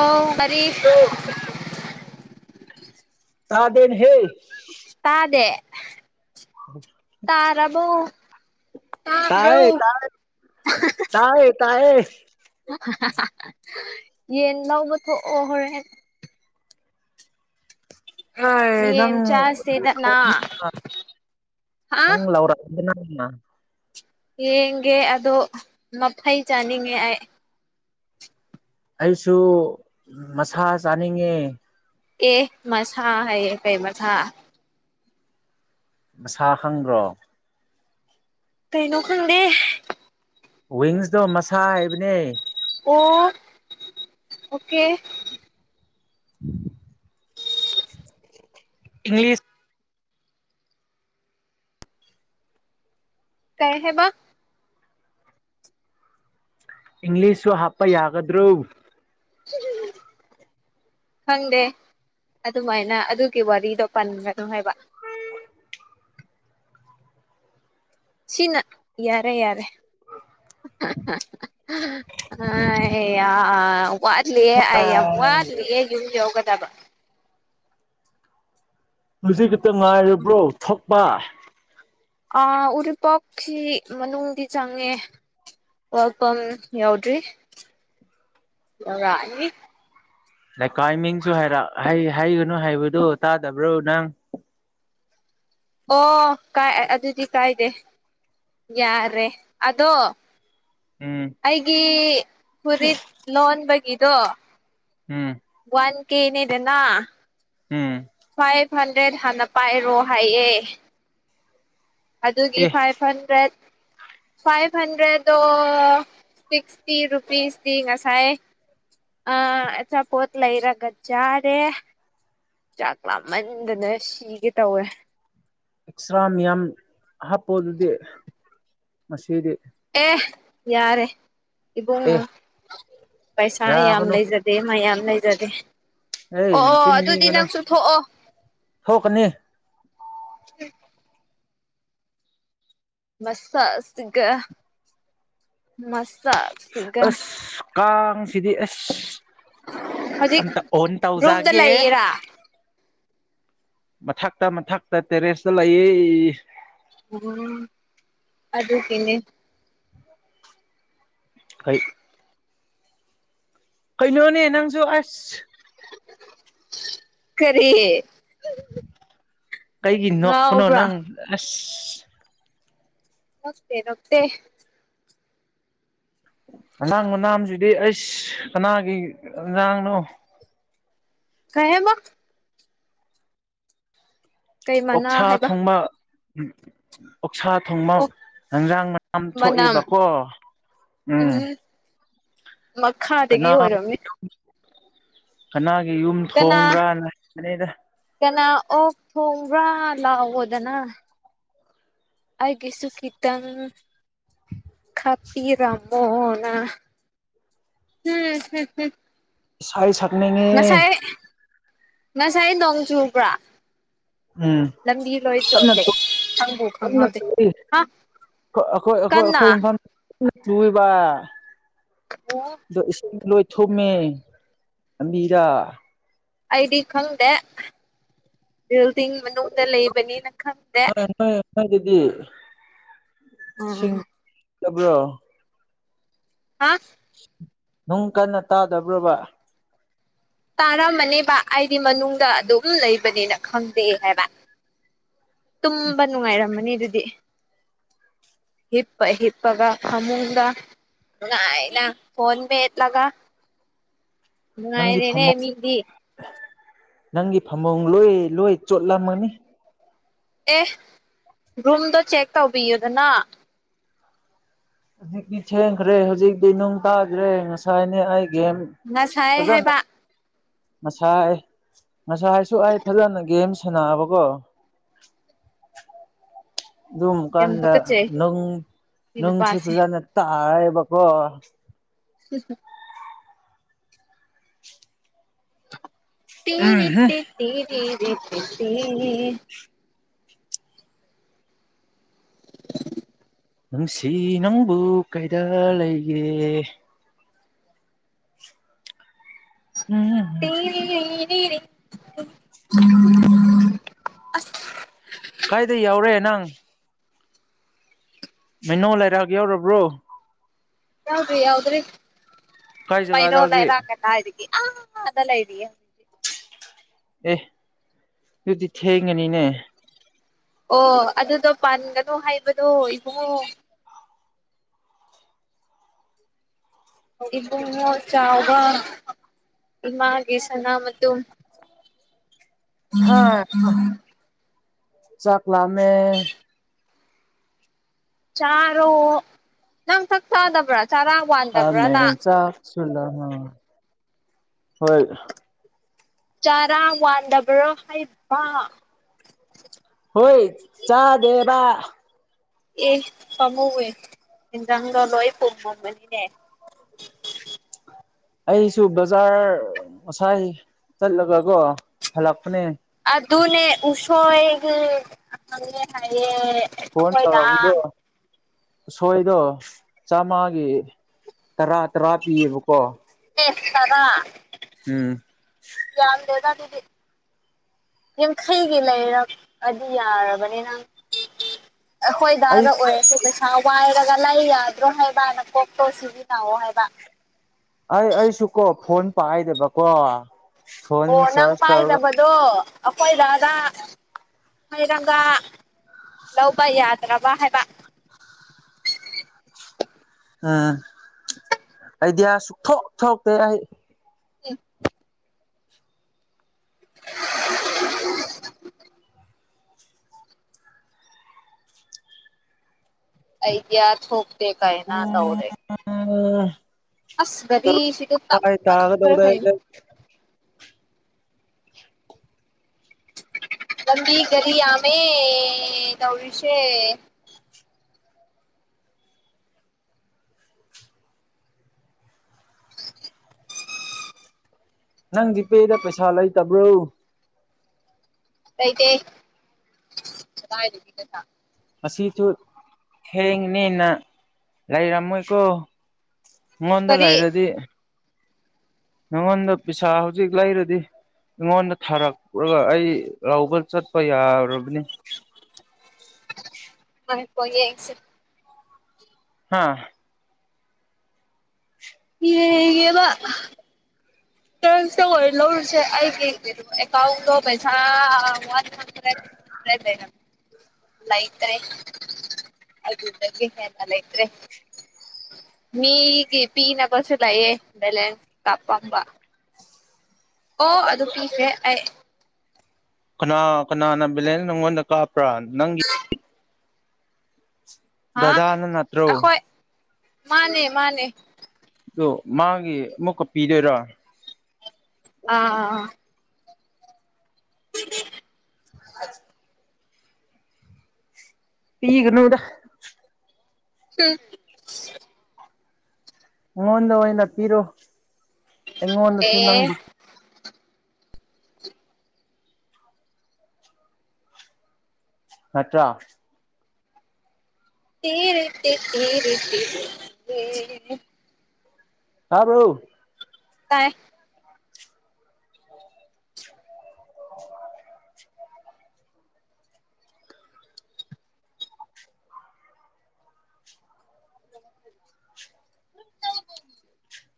ꯑꯣ ꯇꯔꯤꯐ ꯇꯥꯗꯅ ꯍꯦ ꯇꯥꯗꯦ ꯍ ꯇꯥꯔꯕꯣ ꯇꯥꯏꯥꯏ ꯇꯥꯕ꯭ꯔꯣ ꯇꯥꯏ ꯇꯥꯏꯥꯏ ꯇꯌꯦ ꯌꯦꯟ ꯂꯎꯧꯕ ꯊꯣꯛꯑꯣ ꯍꯣꯔꯦꯟ ꯍꯣꯏ ꯅꯪ ꯌꯦꯟ ꯆꯥꯁꯦꯗꯅ ꯍꯥ ꯅꯪ ꯂꯥꯎꯔ ꯎ ꯌꯦꯡꯒꯦ ꯑꯗꯣ ꯃꯐꯩ ꯆꯥꯅꯤꯡꯉꯦ ꯑꯩ ꯑꯩꯁꯨ ꯃꯁꯥ ꯆꯥꯅꯤꯡꯉꯦ ꯑꯦ ꯃꯁꯥ ꯍꯥꯏ ꯀꯩ ꯃꯁꯥ ꯃꯁꯥ ꯈꯪꯕ꯭ꯔꯣ ꯀꯩꯅꯩꯅꯣ ꯈꯪꯗꯦ ꯋꯤꯡꯁꯇꯣ ꯃꯁꯥ ꯍꯥꯏꯕꯅꯦ ꯑꯣ ꯑꯣꯀꯦ ꯏꯪꯂꯤꯁ ꯀꯩ ꯍꯦꯕ ꯏꯪꯂꯤꯁ ꯍꯥꯞꯄ ꯌꯥꯒꯗ꯭ꯔꯣ ꯎ [unintelligible] ꯈꯪꯗꯦ ꯑꯗꯨꯃꯥꯏꯅ ꯑꯗꯨꯒꯤ ꯋꯥꯔꯤꯗꯣ ꯄꯟꯒꯅꯨ ꯍꯥꯏꯕ ꯁꯤꯅ ꯌꯥꯔꯦ ꯌꯥꯔꯦ ꯑꯩꯌꯥ ꯋꯥꯠꯂꯤꯑꯦ ꯑꯩ ꯌꯥꯝ ꯋꯥꯠꯂꯤꯑ ꯌꯨꯝ ꯌꯧꯒꯗꯕ ꯃꯁꯤꯖꯤ ꯈꯤꯇꯪ ꯉꯥꯏꯔꯕ꯭ꯔꯣ ꯊꯛꯄ ꯑ ꯎꯔꯤꯄꯣꯛꯁꯤ ꯃꯅꯨꯡꯗꯤ ꯆꯪꯉꯦ ꯑꯣꯏꯜ ꯄꯝ ꯌꯥꯎꯗ꯭ꯔꯤ ꯌꯧꯔꯛꯑꯅꯤ ꯂꯩꯀꯥꯏꯃꯤꯡꯁꯨ ꯍꯥꯏꯔ ꯍꯩꯒꯅꯨ ꯍꯥꯏꯕꯗꯨꯣ ꯇꯥꯗꯕ꯭ꯔꯣ ꯅꯪ ꯑꯣ ꯀꯥꯏ ꯑꯗꯨꯗꯤ ꯀꯥꯏꯗꯦ ꯌꯥꯔꯦ ꯑꯗꯣ ꯎꯝ ꯑꯩꯒꯤ ꯐꯨꯔꯤꯠ ꯂꯣꯟꯕꯒꯤꯗꯣ ꯎꯝ ꯋꯥꯟ ꯀꯦꯅꯦꯗꯅ ꯎꯝ ꯐꯥꯏꯚ ꯍꯟꯗ꯭ꯔꯦꯠ ꯍꯥꯟꯅ ꯄꯥꯏꯔꯣ ꯍꯥꯏꯌꯦ ꯑꯗꯨꯒꯤ ꯑꯦ ꯐꯥꯏꯚ ꯍꯟꯗ꯭ꯔꯦꯠ ꯐꯥꯏꯚ ꯍꯟꯗ꯭ꯔꯦꯠꯇꯣ ꯁꯤꯁꯇꯤ ꯔꯨꯄꯤꯁ ꯉꯁꯥꯏꯥꯏ ꯑꯣ ꯂꯩꯔꯒ ꯆꯥꯔꯦ ꯆꯥꯛ ꯂꯥꯃꯟꯗꯅ ꯁꯤꯒꯦ ꯇꯧꯋꯦ ꯑꯣꯛꯁꯥ ꯃꯤꯌꯥꯝ ꯍꯥꯞꯄꯣ ꯑꯗꯨꯗꯤ ꯉꯥꯁꯤꯗꯤ ꯑꯦ ꯌꯥꯔꯦ ꯑꯦ ꯏꯕꯨꯡꯅ ꯄꯩꯁꯥ ꯌꯥꯝ ꯌꯥꯒꯅꯨ ꯂꯩꯖꯗꯦ ꯃꯌꯥꯝ ꯂꯩꯖꯗꯦ ꯑꯩ ꯑꯣ ꯑꯣ ꯅꯆꯤꯟ ꯑꯗꯨꯗꯤ ꯊꯤꯒꯅꯨ ꯅꯪꯁꯨꯨ ꯊꯣꯛꯑꯣ ꯊꯣꯛꯀꯅꯤ ꯎꯝ ꯃꯁꯛ ꯁꯤꯒ ꯃꯁꯥ ꯁꯤꯒ ꯑꯁ ꯀꯥꯡꯁꯤꯗꯤ ꯑꯁ ꯍꯧꯖꯤꯛ ꯑꯝꯇ ꯑꯣꯟ ꯔꯨꯝꯗ ꯇꯧꯖꯒꯦ ꯂꯩꯔꯥ ꯃꯊꯛꯇ ꯃꯊꯛꯇ ꯇꯦꯔꯦꯁꯇ ꯂꯩ ꯎꯝ ꯑꯗꯨꯒꯤꯅꯦ ꯑꯩꯣꯏ [unintelligible] ꯀꯩꯅꯣꯅꯦ ꯅꯪꯁꯨ ꯑꯁ ꯀꯔꯤ ꯀꯩꯒꯤ ꯅꯣꯛꯄꯅꯣ ꯉꯥꯎꯕ꯭ꯔꯥ ꯅꯪ ꯑꯁ ꯄꯛꯇꯦ ꯄꯛꯇꯦ ꯑꯉꯥꯡ ꯃꯅꯥꯝꯁꯤꯗꯤ ꯑꯩꯁ ꯀꯅꯥꯒꯤ ꯑꯉꯥꯡꯅꯣ ꯀꯩ ꯍꯥꯏꯕ ꯀꯩ ꯃꯅꯥ ꯑꯣꯛꯁꯥ ꯍꯥꯏꯕ ꯊꯣꯡꯕ ꯎ ꯑꯣꯛꯁꯥ ꯊꯣꯡꯕ ꯑꯣ ꯍꯦꯟꯖꯥꯡ ꯃꯌꯥꯝ ꯃꯅꯝ ꯊꯣꯛꯑꯦꯕꯀꯣ ꯎꯝ ꯃꯈꯥꯗꯒꯤ ꯑꯣꯏꯔꯝꯃꯦ ꯀꯅꯥꯒ ꯀꯅꯥ ꯀꯅꯥ ꯑꯣꯛ ꯊꯣꯡ ꯄꯨꯔꯥ ꯂꯥꯛꯑꯣꯗꯅ ꯑꯩꯒꯤꯁꯨ ꯈꯤꯇꯪ ꯈꯄꯤꯤꯔꯃꯣꯅ [unintelligible] ꯎꯝ ꯁꯥꯏꯌꯦ ꯁꯥꯏꯌꯦ ꯉꯁꯥꯏ ꯉꯁꯥꯏ ꯅꯣꯡ ꯆꯨꯕ꯭ꯔꯥ ꯎꯝ ꯂꯝꯕꯤ ꯂꯣꯏ ꯀꯟꯅ ꯆꯣꯠꯂꯦ ꯈꯪꯕꯨ ꯀꯟꯅ ꯈꯪꯍꯧꯗꯦ ꯆꯨꯏ ꯑꯩꯈꯣꯏ ꯑꯩꯈꯣꯏ ꯀꯟꯅ ꯑꯩꯈꯣꯏ ꯏꯝ [unintelligible] ꯇꯏꯕ ꯑꯣ ꯏꯁꯀꯨ ꯂꯣꯏ [unintelligible] ꯊꯨꯝꯃꯦꯕꯤꯔꯥ ꯑꯩꯗꯤ ꯈꯪꯗꯦ ꯕꯤꯜꯗꯤꯡ ꯃꯅꯨꯡꯗ ꯂꯩꯕꯅꯤꯅ ꯈꯪꯗꯦ ꯗꯤ ꯎꯝ ꯁꯤꯡꯗꯕ꯭ꯔꯣ ꯍꯥ ꯅꯨꯡ ꯀꯟꯅ ꯇꯥꯗꯕ꯭ꯔꯣꯕ ꯇꯥꯔꯝꯃꯅꯦꯕ ꯑꯩꯗꯤ ꯃꯅꯨꯡꯗ ꯑꯗꯨꯝ ꯂꯩꯕꯅꯦꯅ ꯈꯪꯗꯦ ꯍꯥꯏꯕ ꯇꯨꯝꯕ ꯅꯨꯡꯉꯥꯏꯔꯝꯃꯅꯤ ꯑꯗꯨꯗꯤ ꯍꯤꯄ ꯍꯤꯞꯄꯒ ꯈꯃꯨꯡꯒ ꯀꯥꯏꯅ ꯐꯣꯟꯣꯟ ꯄꯦ ꯌꯦꯠ ꯂ ꯀ ꯅꯪꯒꯤ ꯉꯅꯨꯡꯥꯏꯗꯦꯅꯦ ꯐꯃꯨꯡ ꯃꯤꯗꯤ ꯅꯪꯒꯤ ꯐꯃꯨꯡ ꯂꯣꯏ ꯂꯣꯏ ꯆꯣꯠꯂꯝꯃꯅꯤ ꯑꯦ ꯔꯨꯝꯗꯣ ꯆꯦꯛ ꯇꯧꯕꯤꯌꯨꯗꯅ ꯍꯧꯖꯤꯛꯇꯤ ꯊꯦꯡꯈ꯭ꯔꯦ ꯍꯧꯖꯤꯛꯇꯤ ꯅꯨꯡ ꯇꯥꯈ꯭ꯔꯦ ꯉꯁꯥꯏꯅꯦ ꯑꯩ ꯉꯁꯥꯏ ꯍꯥꯏꯕ ꯃꯁꯑ ꯉꯁꯥꯏ ꯍꯥꯏꯁꯨ ꯑꯩ ꯐꯖꯅ ꯒꯦꯝ ꯁꯥꯟꯅꯑꯕꯀꯣ [inaudible] ꯑꯗꯨ ꯌꯥꯝ ꯀꯥꯟꯗ ꯇꯨꯀꯠꯆꯩ ꯅ ꯁꯤ ꯅꯪꯁꯨ ꯅꯨꯄꯥꯁꯦ ꯐꯖꯥꯅ ꯇ ꯑꯥꯑꯕꯀꯣ ꯁꯤ ꯇꯦꯦ ꯎꯝꯍꯨꯝ ꯇꯦ ꯇꯦ ꯇꯦ ꯇ ꯅꯨꯡꯁꯤ ꯅꯪꯕꯨ ꯀꯩꯗ ꯂꯩꯒꯦ ꯎꯝ ꯇꯔꯤ ꯑꯁ ꯀꯥꯏꯗ ꯌꯥꯎꯔꯦ ꯅꯪ ꯃꯤꯩꯅꯣ ꯂꯩꯔꯛꯑꯒ ꯌꯎꯔꯕ꯭ꯔꯣ ꯌꯥꯎꯗ꯭ꯔꯤ ꯌꯥꯎꯗ꯭ꯔꯔꯤ ꯀꯥꯏ ꯃꯩꯗ ꯖꯒꯥꯗ ꯍꯧꯖꯤꯛ ꯑꯣꯂꯥꯏꯗꯒꯅ ꯍꯥꯏ ꯑ ꯑꯗꯂ ꯏꯑꯦꯗꯤ ꯑꯦ ꯑꯗꯨꯗꯤ ꯊꯦꯡꯉꯅꯤꯅꯦ ꯑꯣ ꯑꯗꯨꯗꯣ ꯄꯥꯟꯒꯅꯨ ꯍꯥꯏꯕꯗꯣ ꯏꯕꯨꯡꯉꯣ ꯉ ꯆꯕꯅ ꯎ ꯃꯥꯒꯤꯦ ꯁꯅꯥ ꯃ [unintelligible] [inaudible] ꯍꯥ ꯆꯂꯃꯦ ꯆꯥꯔꯣ ꯅꯪ ꯆꯛ ꯆꯥꯗꯕ꯭ꯔꯥ ꯆꯥꯔꯥ ꯂꯥꯝꯃꯦ ꯋꯥꯟꯗꯕ꯭ꯔꯥꯅ ꯆꯥꯛꯁꯨ ꯍꯣꯏ ꯆꯥꯔꯥ ꯋꯥꯟꯗꯕ꯭ꯔꯣ ꯍꯩꯕ ꯍꯣꯏ ꯆꯥꯗꯦꯕ ꯑꯦ ꯈꯥꯃꯧꯋꯏ ꯌꯦꯟꯖꯥꯡꯗꯣ ꯂꯣꯏ ꯄꯨꯝꯃꯝꯃꯅꯤꯅꯦ [inaudible] ꯑꯩꯁꯨ ꯕꯖꯥꯔ ꯉꯁꯥꯏ ꯆꯠꯂꯒꯀꯣ ꯍꯜꯂꯛꯄꯅꯦ ꯑꯗꯨ ꯑꯗꯨꯅꯦ ꯎꯁꯣꯏꯒꯤ ꯍꯥꯏꯌꯦ ꯐꯣꯟ ꯑꯩꯈꯣꯏꯗ ꯇꯧꯔꯕꯨꯗꯣ ꯑꯁꯣꯏꯗꯣ ꯆꯥꯃꯒꯤ ꯇꯔꯥ ꯇꯔꯥ ꯄꯤꯌꯦꯕꯀꯣ ꯁ ꯇꯗꯥ ꯎꯝ ꯌꯥꯗꯦꯗꯗꯗꯗꯤ ꯌꯥꯡꯈꯩꯒꯤ ꯂꯩꯔꯕ ꯑꯗꯨ ꯌꯥꯔꯕꯅꯤ ꯅꯪ ꯑꯩ ꯑꯩꯈꯣꯏꯗꯥꯗ ꯑꯣꯏꯔꯁ ꯄꯩꯁꯥ ꯋꯥꯏꯔꯒ ꯂꯥꯏ ꯌꯥꯗ꯭ꯔꯣ ꯍꯥꯏꯕꯅ ꯀꯣꯛꯇꯣ ꯁꯤꯕꯤ ꯇꯥꯛꯑꯣ ꯍꯥꯏꯕ ꯑꯩ ꯑꯩꯁꯨ ꯀꯣ ꯐꯣꯟ ꯄꯥꯥꯏꯗꯕꯀꯣ ꯑꯣ ꯅꯪ ꯄꯥꯏꯖꯕꯗꯣ ꯑꯩꯈꯣꯏ ꯔꯥꯗꯥ ꯃꯣꯏꯔꯪꯒꯥ ꯂꯧꯕ ꯌꯥꯗ꯭ꯔꯕ ꯍꯥꯏꯕ ꯎꯝ ꯑꯗꯤꯌꯥ ꯁꯛꯊꯣꯛ ꯊꯣꯛꯣꯛꯇ ꯑꯩ ꯎ ꯑꯗꯤ ꯊꯣꯛ ꯊꯣꯛꯄꯇ ꯀꯥꯏꯅꯥ ꯇꯧꯔꯦ ꯎꯝ ꯑꯁꯒꯔꯤ ꯁꯤꯒ ꯇ ꯇꯥꯏ ꯀ ꯇꯥꯒꯗꯧꯔꯦ ꯐ ꯂꯝꯕꯤꯤ ꯔꯤ ꯌꯥꯃꯦ ꯅꯧꯔꯤꯁꯦ ꯅꯪꯗꯤ ꯄꯦꯗ ꯄꯩꯁꯥ ꯂꯩꯇꯕ꯭ꯔꯣ ꯩ ꯑꯁꯤꯁꯨ ꯊꯦꯡꯅꯤꯅ ꯂꯩꯔꯝꯃꯣꯏꯀꯣ ꯃꯗ ꯀꯔꯤ ꯂꯩꯥꯏꯔꯗꯤ ꯅꯪꯉꯣꯟꯗ ꯄꯩꯁꯥ ꯍꯧꯖꯤꯛ ꯂꯩꯔꯗꯤ ꯑꯩꯉꯣꯟꯗ ꯊꯥꯔꯛꯄꯒ ꯑꯩ ꯂꯧꯕ ꯆꯠꯄ ꯌꯥꯔꯕꯅꯤ ꯑ ꯌꯥꯁ ꯍꯥꯥ ꯍ ꯍꯒꯕ ꯀꯟꯁꯇ ꯑꯣꯏꯅ ꯂꯧꯔꯨꯁꯦ ꯑꯩꯒꯤ ꯀ ꯑꯦꯀꯥꯎꯟꯗꯣ ꯄꯩꯁꯥ ꯋꯥ ꯖꯒ ꯂ ꯂꯩꯇ꯭ꯔꯦ ꯑꯗꯨꯗꯤ ꯂꯩꯩꯇꯦ ꯃꯤꯒ ꯄꯤꯅ ꯁꯂꯌꯦꯦ ꯕꯂꯦꯟꯁ ꯀꯄꯝꯕ ꯑꯣ ꯑꯗꯨ ꯄꯤꯤꯁꯦ ꯀꯅꯥ ꯀꯅꯥꯅ ꯕꯦꯂꯦꯟꯁ ꯅꯪꯉꯣꯟꯗ ꯀꯥꯞꯄ꯭ꯔꯥ ꯅꯪꯒꯤ ꯍꯥ ꯗꯗꯥꯅ ꯅꯠꯇ꯭ꯔꯣ ꯑꯩꯈꯣꯏ ꯃꯥꯅꯦ ꯃꯥꯅꯦ ꯑꯣ ꯃꯥꯒꯤ ꯑꯃꯨꯛꯀ ꯄꯤꯗꯣꯏꯔꯥ ꯑꯥ ꯑꯥ ꯑ ꯎ ꯏꯒꯅꯣꯗ ꯐ ꯑꯩꯉꯣꯟꯗ ꯑꯣꯏꯅ ꯄꯤꯔꯣ ꯑꯩꯉꯣꯟꯗꯁꯨ ꯑꯦ ꯅꯪꯕꯨ ꯃꯠꯇꯥ ꯊꯔꯦꯔ ꯍꯥꯥꯕꯥꯎ ꯇꯥꯏ [inaudible] [inaudible]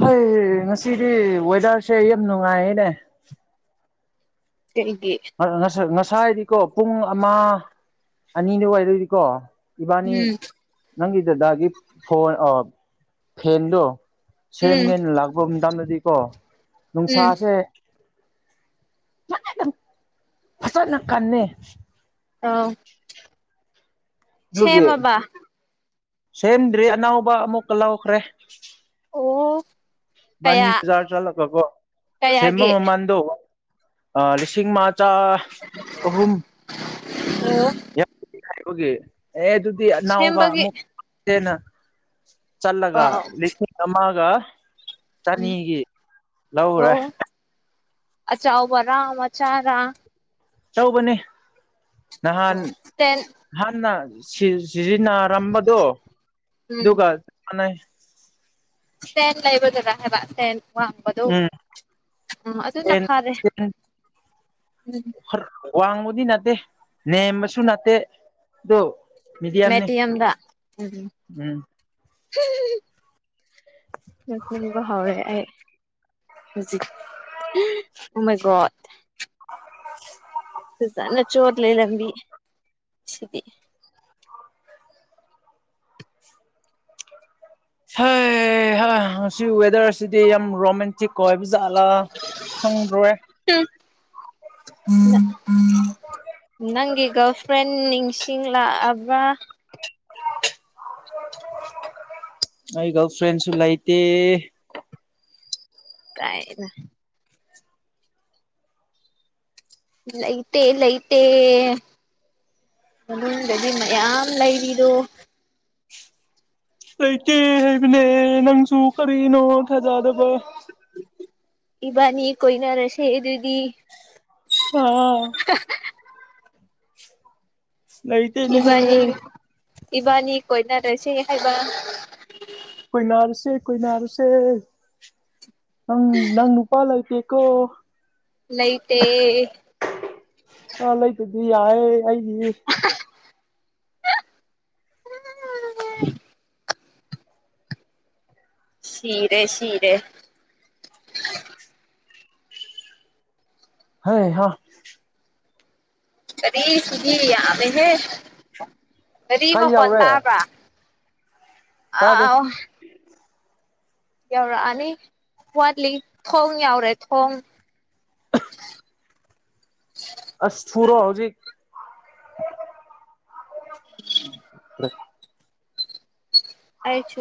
ꯍꯣꯏ ꯉꯁꯤꯗꯤ ꯋꯦꯗꯔꯁꯦ ꯌꯥꯝ ꯅꯨꯡꯉꯥꯏꯌꯦꯅꯦ ꯀꯩꯒꯤ ꯉꯁꯥꯏ ꯉꯁꯥꯏ ꯍꯥꯏꯗꯤꯀꯣ ꯄꯨꯡ ꯑꯃ ꯑꯅꯤꯗꯨ ꯑꯣꯏꯏꯗꯣꯏꯗꯤꯀꯣ ꯏꯕꯥꯅꯤ ꯎꯝ ꯅꯪꯒꯤ ꯗꯗꯥꯒꯤ ꯐꯣꯟ ꯐꯦꯟꯗꯣ ꯎꯝ ꯁꯦꯝꯒꯦꯅ ꯂꯥꯛꯄ ꯃꯇꯝꯗꯗꯤ ꯀꯣ ꯎꯝ ꯅꯨꯡꯁꯥꯁꯦ ꯃ ꯐꯁꯅ ꯀꯅꯦ ꯑꯥꯎ ꯑꯗꯨꯒꯤ ꯁꯃꯕꯥ ꯁꯦꯝꯗ꯭ꯔꯤ ꯑꯅꯥꯕ ꯑꯃꯨꯛꯀ ꯂꯥꯎꯈ꯭ꯔꯦ ꯑꯣ ꯕꯥꯅꯤ ꯀꯌꯥ ꯕꯖꯥꯔ ꯆꯠꯂꯒꯀꯣ ꯁꯦꯝꯕ ꯀꯌꯥꯒꯤ ꯃꯃꯜꯗꯣ ꯂꯤꯁꯤꯡ ꯑꯃ ꯆ ꯑꯍꯨꯝ ꯑꯣ ꯌꯥ ꯍꯥꯏꯕꯒꯤ ꯑꯦ ꯑꯗꯨꯗꯤꯅꯥꯎꯕ ꯁꯦꯝꯕꯒꯤ ꯑꯃꯨꯛꯦꯅ ꯆꯂꯒ ꯑꯥ ꯂꯤ ꯃꯥꯒ ꯆꯅꯤꯒꯤ ꯂꯧ꯭ꯔꯦ ꯑꯆꯥꯥꯎꯕꯔꯝ ꯑꯆꯥꯔ ꯑꯧꯕꯅꯤ ꯅꯍꯥꯟ ꯏꯁꯇꯦꯟ ꯅꯍꯥꯟꯅ ꯁꯤꯖꯤꯟꯅ ꯑꯔꯝꯕꯗꯣ ꯑꯗꯨꯒꯗꯨꯒ ꯁꯦꯟ ꯂꯩꯕ ꯗꯗꯥ ꯍꯥꯏꯕ ꯁꯦꯟ ꯋꯥꯡꯕꯗꯣ ꯎꯝ ꯎꯝ ꯑꯗꯨꯅ ꯁꯇꯦꯟ ꯐꯥꯔꯦ ꯋꯥꯡꯃꯗꯤ ꯅꯠꯇꯦ ꯅꯦꯝꯕꯁꯨ ꯅꯠꯇꯦ ꯑꯗꯨꯣ ꯃꯤꯗꯤꯌꯥꯅꯤ ꯃꯦꯗꯤꯌꯝꯗ ꯎꯝ ꯎꯝ [unintelligible] ꯕ ꯍꯧꯥꯎꯔꯦ ꯍꯧꯖꯤꯃꯩꯒꯠ [unintelligible] ꯅ ꯆꯣꯠ ꯂꯩ ꯂꯝꯕꯤ ꯁꯤꯗꯤ ꯍ ꯍ ꯁꯤ ꯋꯦꯗꯔꯁꯤꯗꯤ ꯌꯥꯝ ꯔꯣꯃꯦꯟꯇꯤꯛ ꯀꯣꯏꯕꯨꯖꯥꯠꯂꯥ ꯁꯪꯗ꯭ꯔꯣꯔꯦ ꯎꯝꯝ ꯒꯥꯔꯜꯐ꯭ꯔꯦꯟ ꯅꯤꯡꯁꯤꯡꯂꯛꯑꯕ ꯑꯩ ꯒꯜ ꯐ꯭ꯔꯦꯟꯁꯨ ꯂꯥꯏꯇ ꯀꯥꯏꯅ ꯂꯩ ꯂꯩꯇꯦ ꯂꯩ ꯂꯩꯇꯦ ꯃ ꯑꯗꯨꯗꯤ ꯃꯌꯥꯝꯌꯥꯝ ꯂꯩꯔꯤꯗꯣ ꯂꯩꯀꯦ ꯍꯥꯏꯕꯅꯦ ꯅꯪꯁꯨ ꯀꯔꯤꯅꯣ ꯊꯥꯖꯗꯕ ꯏꯕꯥꯅꯤ ꯀꯣꯏꯅ ꯔꯁꯦ ꯑꯗꯨꯗꯤ ꯑ ꯂꯩꯇꯦꯅꯦꯍꯦ ꯏꯕꯥꯅꯤ ꯏꯕꯥꯅꯤ ꯀꯣꯏꯅꯔꯣꯏꯁ ꯍꯥꯏꯕ ꯀꯣꯏ ꯅꯥꯔꯨꯁꯦ ꯀꯣꯏꯅꯅꯥꯔꯨꯁꯦ ꯅꯪ ꯅꯪ ꯅꯨꯄꯥ ꯂꯩꯇꯦ ꯀꯑꯣ ꯂ ꯂꯩꯇꯦ ꯑꯥ ꯂꯩꯇꯗꯤ ꯌꯥꯏꯑꯦ ꯑꯩꯗꯤ [unintelligible] ꯆꯤꯔꯦ ꯆꯤꯔꯦ ꯍ ꯍꯥ ꯀꯔꯤ ꯁꯨꯒꯤ ꯑ ꯍꯦ ꯔꯤ ꯀꯥꯏ ꯃꯈ ꯐꯣꯟ ꯌꯧꯔꯦ ꯇꯥꯕ꯭ꯔꯥ ꯇꯥꯗꯦ ꯑ ꯌꯥꯎꯔꯥ ꯑ ꯋꯥꯂꯤ ꯊꯣꯡꯣꯡ ꯌꯥꯎꯔꯦ ꯊꯣꯡ ꯊꯣꯡ [unintelligible] ꯑ ꯊꯨꯔꯣ ꯍꯧꯖꯤ [unintelligible] ꯑꯁꯨ